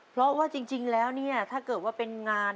เพราะว่าจริงแล้วเนี่ยถ้าเกิดว่าเป็นงาน